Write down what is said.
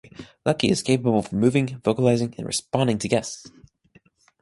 Lucky is capable of moving, vocalizing, and responding to guests.